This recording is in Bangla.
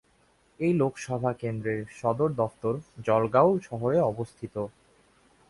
এই লোকসভা কেন্দ্রের সদর দফতর জলগাঁও শহরে অবস্থিত।